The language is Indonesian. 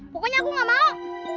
pokoknya aku tidak mau